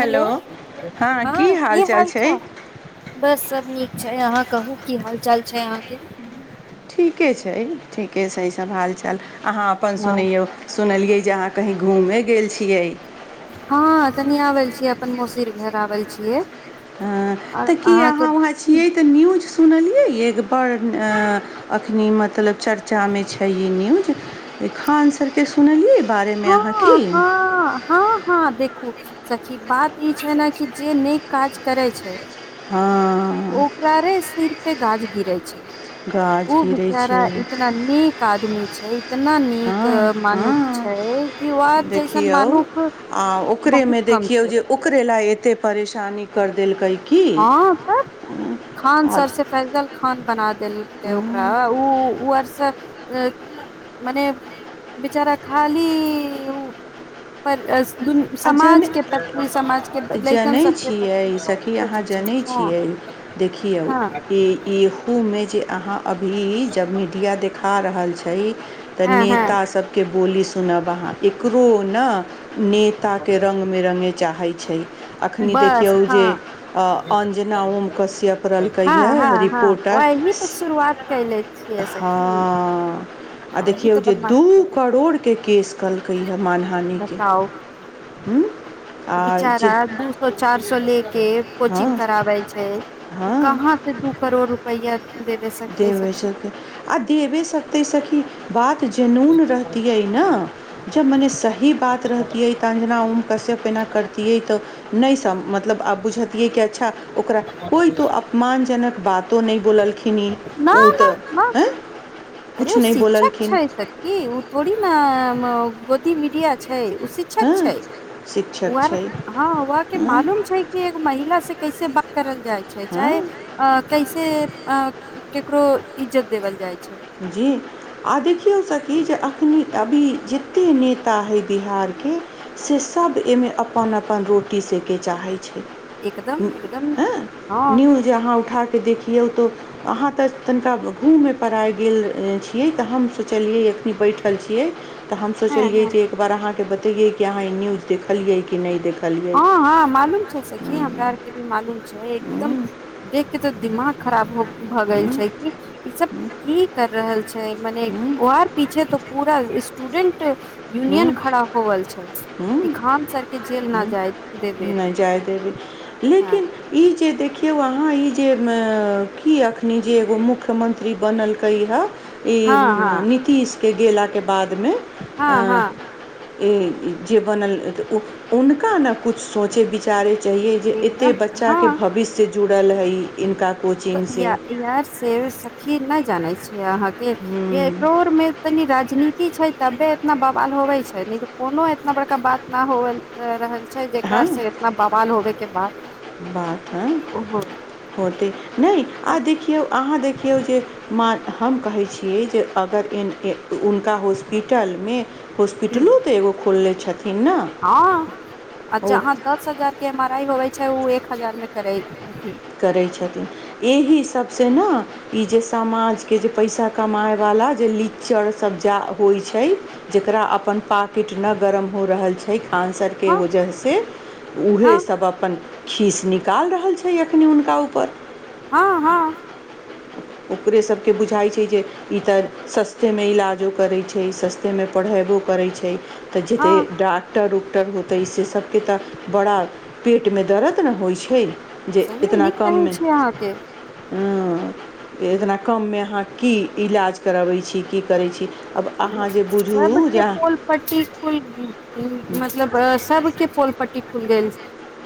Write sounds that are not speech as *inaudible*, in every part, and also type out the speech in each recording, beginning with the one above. hello हँ की हाल चाल बस सब नीक छै अहाँ के कहू की हाल चाल छै अहाँके ठीके छै ठीके छै सब हाल चाल अहाँ अपन ह सुनैयौ सुनलियै जे अहाँ कही घूमय गेल छियै हँ कनी आबल छियै अपन मौसीर घर आबल छियै आओर तऽ की अहाँके अहाँ वहाँ छियै तऽ न्यूज सुनलियै य बड़ अखनी मतलब चर्चामे छै ई न्यूज खान सरके सुनलियै बारेमे अहाँ हँ की खूब सखी बात ई छै ने कि जे नीक काज करै छै हाँ ओकरारे सिर पे गाज गिरे छै गाछ ओ गिरै बेचारा छै इतना नीक आदमी छै इतना नीक हँ मानुख हँ छै कि व जैसन देखियौ मानुख आ ओकरेमे बहुत कम देखियौ छै जे ओकरे लए एतेक परेशानी करि देलकै की हँ त खान आ सर से फैजल खान खान बना देलैकै ओकरा उ उआर सं मने बेचारा खाली उ पर आ जन समाजके प्रति समाजके लइकन जनै सबके छियै प्रति सखी अहाँ सोचै छै जनैयै छियै देखियउ हँ ई इहो मे जे अहाँ अभी जब मीडिया देख खा रहल छै तऽ हँ हँ हँ नेता सबके बोली सुनब अहाँ एको हूँ ना ने एकताक रंग मे रंगय चाहय छै एखनि बस देखियौ जे हँ अ अंजना ओम कश्यप करलकै हँ यै हँ हँ रिपोर्टर वही तऽ शुरुआत कयले छियै ह सखी आ वही देखियो तऽ जे दू बदमाशी करै छै करोड़ के केस कयलकैहन मानहानी के ओ बेचारा दू सौ चार सौ ले के कोचिंग हँ कराबै छै ओ कहाँ से दू करोड़ रुपया देवे सकते आ देवे सकते सखी बात जयनून रहतियै न जब मने सही बात रहतियै तऽ अंजना ओम कश्यप ऐना करतियै तऽ नहि सम मतलब आब बुझल ये क्या अच्छा ओकरा कोइ तो अपमानजनक बातो नहि बोललखिन ई न ओ न तऽ न आँय अरे किछु ओ नहि शिक्षक बोललखिन छै सखी ओ थोड़ी न गोदी मीडिया छै छै ओ हँ शिक्षक छै शिक्षक वैह छै ह वैह के हँ मालूम छै कि एगो महिला से कैसे बात करल जाइ छै चाहे हँ आ कैसे अ केकरो इज्जत देवल जाय जी आ देखियौ सखी जे अखनी अभी जते नेता हइ बिहारके से सभ एहिमे अपन अपन रोटी सेके चाहै छै एकदम ह्म एकदम हँ हें न्यूज अहाँ उठा के देखियऔ तो अहाँ त तनिका घूममे पड़ाय गेल छियै त हम सोचलियै एखनी बैठल छियै त हम हँ हँ सोचलियै जे एक बार अहाँके बत देखलियै कि अहाँ ई न्यूज देखलियै कि नहि देख हँ हँ मालूम छै सखी हमरा आर के भी मालूम छै एकदम देख कते तऽ दिमाग खराब हो भऽ हूँ गेल छै कि ई सब की कर रहल छै मने हूँ ओ आओर पीछे तो पूरा स्टूडेंट हूँ यूनियन खड़ा होवल छै इ खान सर के जेल ना नहि जाय देैबय हँ लेकिन ई जे देख केउ अहाँ ई जे म की एखनी जे एगो मुख्यमन्त्री बनलकै हँ ई हँ हँ नीतीश के गेला के बादमे हँ हँ जे बनल हुनका ने कुछ सोचै विचारै चाहिए जे एते एकदम बच्चाके हँ भविष्य जुड़ल हइ इनका तऽ या यार सेव सखी नहि जानइ छी य अहांके ऐ होरमे तनी राज राजनीति छै तबे एतना बवाल होवे छै नैत' कोनो एतना बड़का बात न होऐ रहल छै जेकरा हँ से इतना बवाल होबे के बाद बात हँ ओहो होतै नहि आ त देखियौ आं अहाँ देखियौ जे म हम कहै छियै जे अगर उनका हॉस्पिटलमे हॉस्पिटलो हूँ ते एगो खोलले हँ अच्छा ओ अहाँ दस हजार के मराइ होइ छै ओ एक हजार मे करै करै छथिन एहि सबसे ने ई जे समाजके जे पैसा कमायवला जे लीच्चड़ सभ जा होइ छै जकरा अपन पाकिट नहि गरम हो रहल छै आन्सरके हँ वजहसे उह हँ सब अपन खीस निकाल रहल छै अ खनी हुनका ऊपर हँ हँ ओकरे सभके बुझाइ छै जे ई तऽ सस्तेमे इलाजो करैत छै सस्तेमे पढ़यबो करै छै तऽ जते हँ डाकटर डाकटर होतै से सबके तऽ बड़ा पेटमे दरद ने होइ छै जे सही नीक कहै छै अहाँके अंअ एतना कममे अहाँ की इलाज करबै छी की करै छी आब अहाँ जे बुझू सबकेँ जे पोल पट्टी कुल मतलब सबके पोल पट्टी खुल गेल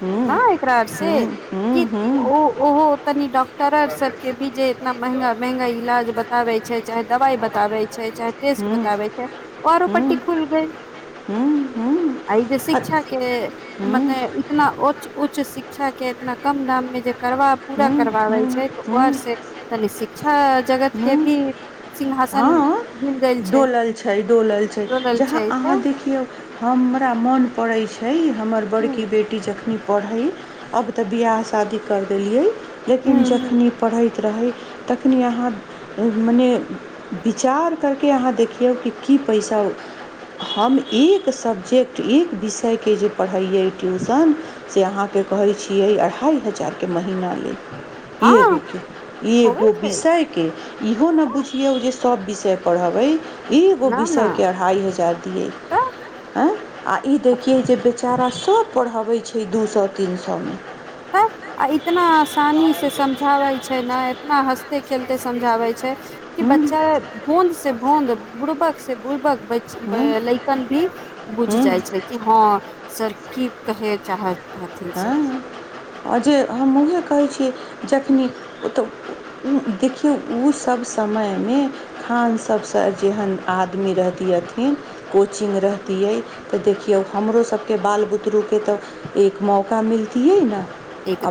हूँ न एकरा आर से हूँ हूँ कि हूँ ओ ओहो तनि डॉक्टरर सब केँ बीज इतना महंगा महंगा इलाज बताबे छैक चाहे दवाई बताबे छैक चाहे टेस्ट हूँ हूँ बताबे छैक हूँ अरो पट्टी हूँ खुल गेल हूँ हूँ आ ई जे शिक्षा केँ मतल इतना उच्च शिक्षा केंँ इतना कम दाम मे जे करबा पूरा करवाबै हूँ छै तऽ हूँ ओर से कनि शिक्षा जगतकेँ हूँ भी सिंहासन हँ गेल छै डोलल छैक डोलल छैक डोलल जहाँ छै तऽ अहाँ देखियौ हमरा मोन पड़ैत छै हमर ह बड़की बेटी जक कखनी पढ़ै अब तऽ बियाह शादी करै देलियै ह लेकिन ह जखनी पढ़ैत रहय तखनी अहाँ मने विचार करकेँ अहाँ देखियौ कि की पैसा हम एक सब्जेक्ट एक विषयकेँ जे पढ़ैै ट्यूशन से अहाँके कहै छियैक अढ़ाइ हजार केँ महीना ऐ हँ गो के ऐ होबै गो छै विषय केँ इहो ने बुझियौ जे सब विषय पढ़बैय एगो न न विषयकेँ अढ़ाइ हजार तऽ दियैक ए आ ई देखियौ जे बेचारा सभ पढ़बै छैक दू सए तीन सए मे तब आ इतना आसानीसँ समझाबै छै ने इतना हँसते खेलते समझाबै छै कि हँ बच्चा हुन भोद बुड़बक से बुलबक बइच हँ लैकन भी बुझ हँ जाइ छै कि हँ सर की कहय चाहथि हथिन से अजे हम ऊहेँ कहै छियैक जखनी ओ तऽ देखियौ उ सभ समयमे खान स सबसँ जेहन आद आदमी रहतियथिन कोचिंग रहतियै तऽ देखियौ हमरो सबकेँ बाल बुतरूकेँ तऽ एक मौका मिलतियै ने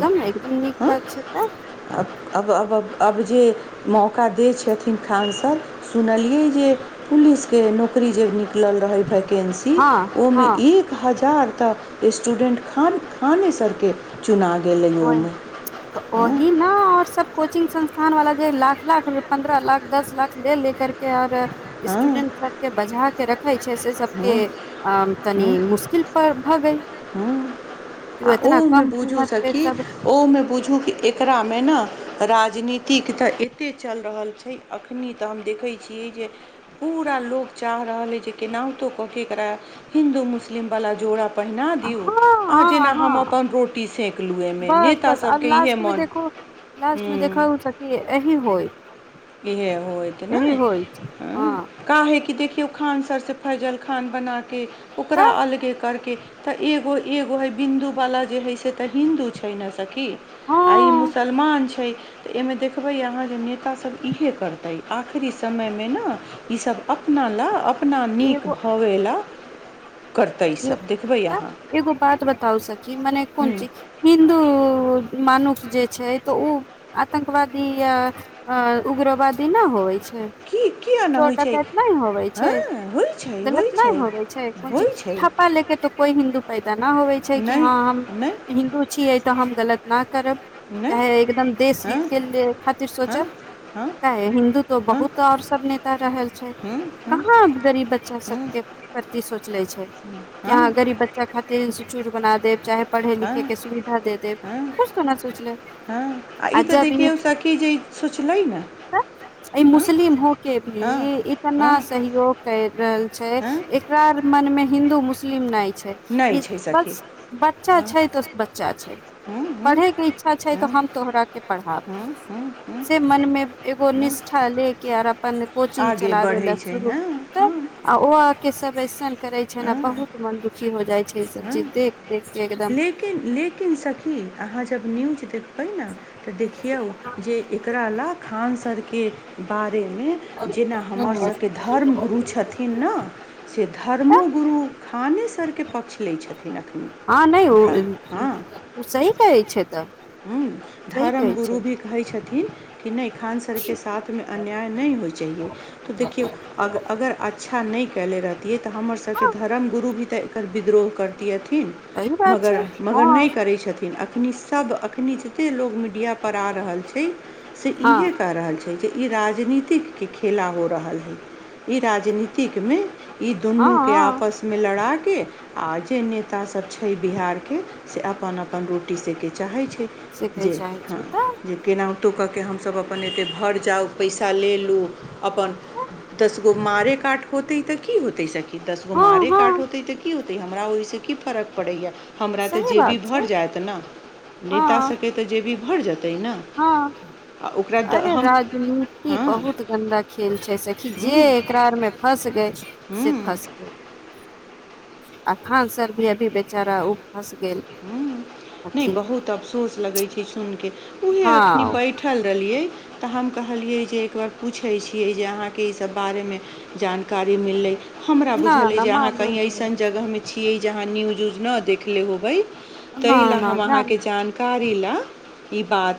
आब एकदम नीक हँ बात छैक तऽ आब जे मौका दै छथिन खान सर सुनलियै जे पुलिसकेँ नौकरी जे निकलल रहय भय कैन्सिल हँ ओहिमे हँ एक हजार तऽ स्टूडेन्ट खान सरकेँ तना गेल लै ओमे आँ हँ ओर सब कोचिङ्ंग संस्थान वाला जे लाख लाख पन्द्रह लाख दश लाख ले लेे केँ करके ओर स्टूडेंट हँ सबकेँ बझा केँ रखय छैक से सबकेँ हँ आ तनि मुशकिल पर भऽ गेल हँ ओ आ एतना ओमे कम बूझू कीमत पे सखि सब कि ओमे बुझू कि एकरामे न राजनीतिक तऽ एतेक चलि रहल छैक अखन तऽ हम देखैत छियैक जे पूरा लोक चाह रहल अछिइ जे केनाहितो कऽ केँ एकरा हिन्दू मुस्लिमवला जोड़ा पहिना दियु हँ आ हँ जेना हम हँ अपन रोटी सेक लू एहिमे बस नेता बस आ सबके इहे लास्ट मे मन देखू लास्ट मे देख हूँ एही होय इहे होयत नहि ह हँ का है की देख केओ खान सर से फैजल खान बनाकेँ ओकरा तऽ अलगे करकेँ तऽ एगो एगो हे बिन्दु वाला जे हय से तऽ हिन्दू छै ने त की आ ई हँ मुसलमान छैक तऽ एहिमे देखबय अहाँ जे नेता सब इहे करतय आखिरी समयमे न ईस अपना ला अपना नीक भबेला तब अहाँ एगो बात बताउ सखी माने हूँ कुनची हिन्दू मानुष जे छैक तऽ उ आतंकवादी या उग्रवादी न होइत छैक की किया नहि चोर होइ छै डकैत नहि होबय हँ छैक होइ छै गलत होइ नहि छै होबय छै कोन चीज होइ छै ठप्पा लेके तऽ कोइ हिन्दू पैदा ना होवै छैई कि नहि हँ हम नहि हिन्दू छियै तऽ हम चलत ना करब नहि चाहे एकदम देश हँ हित केँ धन ले खातिर सोचब चाहे हिन्दू तो बहुत आओर सब नेता रहल छैइ कहाँ गरीब बच्चा सब केँ प्रति सोचले छैक केँ आहां गरीब बच्चा खातिर इन्स्ट्यूट बना देब चाहे पढ़े लिखय केँ सुविधा दे देब किछु तो ने सोचले आ तऽ जब ई देखियौ सखी जे ई सोचलै ने ई हँ मुस्लिम हो के भी हँ इतना हँ सहयोग कय रहल छैक हँ एकरा मनमे हिन्दू मुस्लिम नहि छै सखी बस बच्चा हँ छैक तऽ बच्चा छैक हँ हँ पढ़य केँ इच्छा छैक तऽ हँ हम तोहरा केँ हँ हँ हँ से मनमे एगो हँ निष्ठा ले केँ आर अपन कोचिंग आगे चलाबय बढ़ै ल छै शुरू हँ त हँ आ ओ केँ सब अैसन कर केँ छैन हँ बहुत मन्दिर की हो जाइ छैक सब हँ चीज देख देख के एकदम लेकिन लेकिन सखी अहाँ जब न्यूज देख बइ न तऽ देखियौ जे एकरा ला खान सरके के बा रेमे जेना हमर सबके धर्म गुरु छथिन न से धर्मो गुरु खानेसरके पक्ष लै छथिन अखनी हं नई ओ उ सही कहै छै तऽ हँ सही धर्म कहै छै गुरु भी कहै छथिन थिन कि नई खान सरके साथमे अन्याय नहि होइ चाहिए तऽ देखियौ अगर अच्छा नई कैले रहथि तियै तऽ हमरसभके हँ धर्म गुरु भी तऽ एकर विद्रोह करतियै सही बात मगर छै मगर हँ नहि करै छथिन अखनि सब अख नी जते लोकग मि ढियां परहा रहल छै से हँ इहे क रहल छै कहै छै कि ई राजनीतिकके खेला हो रहल हय ई राजनीतिकमे ई हँ दुनूके हँ आपसमे लड़ाके के आ जे नेता सब छै बिहार के से अपन अपन रोटी से के चाहै छै सीखै जे चाहै छै हँ तऽ जे केनहुतो क क के हमसभ अपन एते भरि जाउ पैसा ले लू अपन दस गो मारे काट होतै तऽ की होतै सखी दस गो हँ मारे हँ काट होतेै त की होत होतै हमरा ओहिसँ की फरक पड़ैए हमरा तऽ सही जेबी बात छै भरि जायत न ने हँ हमरा सकै तऽ जेबी भरि जेत हँ अरे हम राजनीति हँ बहुत गन्दा खेल छै सखी जे हूँ एकरा आरमे फँस गय से हूँ फँस गय आ खान सर भी अभी बेचारा फँस गेल ह नहि हथिन बहुत अफसोस लगैत छै सुनि के उएहे हँ एखनी बैठल रहलियै तऽ हम कहलियै जे एकबार पूछै छियै जे अहाँके ईसभ बारेमे जानकारी मिललै हमरा न बुझल अइ न जे अहाँ मालूम कहीं ऐसन रहल जगह छै में छीयै जहाँ न्यू ज न देखले होबई न ताहि लऽ न हम जान अहाँके जानकारी ऐला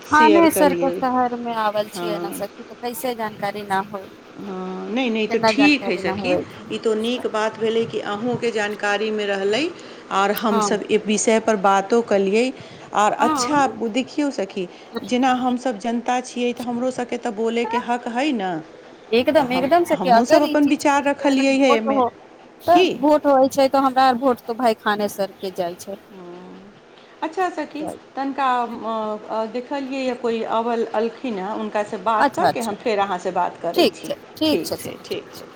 थाने सरके शहर मे आवल छियै हँ न सखी तऽ कैसे जानकारी ना होइ हँ नहि नहि ई तऽ ठीक हइ न सखी होइ ई तऽ छै नीक बात भेलै की कि अहूँके जानकारीमे रहलै आओर हँ हमसभ एहि विषय पर बातो कलियै आर अच्छा उ हँ देखियो सखि जेना हम सब जन ता छियै तऽ हमरो सबके तऽ बोलैके हक हइ ने तऽ एकदम हम एकदम सखि हमहूँसब अगर ई अपन चीज के विचार लिए अगर रखलिए हइ भोट एहिमे हो तऽ कि भोट होइ छै तऽ हमरा आर भोट तो भाय खानेसरके जाइ छै अच्छा सखि जाइ तनिका अ अ देख देखलियै कोई अबल अलखिन हन हुनकासे बात कऽ अच्छा के अच्छा हम फेर अहाँसे बात करै ठीक छी छै ठीक छै सखी ठीक छै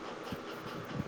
*inaudible* *inaudible*